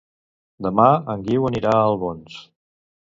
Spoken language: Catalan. Demà en Guiu anirà a Albons.